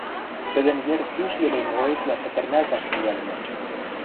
Тӹдӹн йӹр пиш йӹле млоецвлӓ пӹтӹрнӓлтӓш тӹнгӓлӹнӹт.